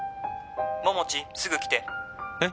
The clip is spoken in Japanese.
「桃地すぐ来て」えっ？